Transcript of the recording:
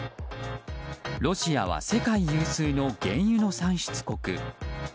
ロシアは世界有数の原油の産出国。